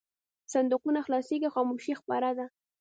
صندوقونه خلاصېږي خاموشي خپره ده.